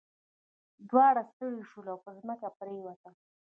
دواړه ستړي شول او په ځمکه پریوتل.